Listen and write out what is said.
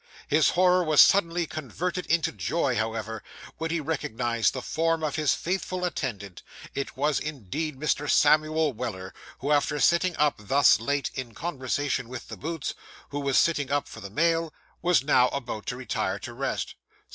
His horror was suddenly converted into joy, however, when he recognised the form of his faithful attendant. It was indeed Mr. Samuel Weller, who after sitting up thus late, in conversation with the boots, who was sitting up for the mail, was now about to retire to rest.